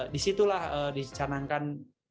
di situlah dicanangkan